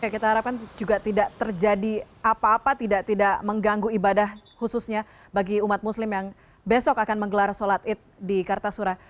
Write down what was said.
kita harapkan juga tidak terjadi apa apa tidak mengganggu ibadah khususnya bagi umat muslim yang besok akan menggelar sholat id di kartasura